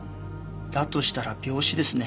だとしたら病死ですね。